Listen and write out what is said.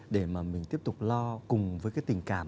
để mà mình tiếp tục lo cùng với cái tình cảm